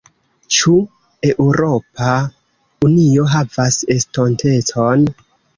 Ĉu Eŭropa Unio havas estontecon?